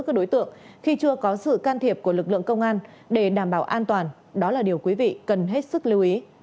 các đối tượng khi chưa có sự can thiệp của lực lượng công an để đảm bảo an toàn đó là điều quý vị cần hết sức lưu ý